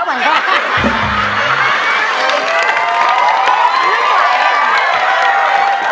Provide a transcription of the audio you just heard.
ทุกวันไม่ไหว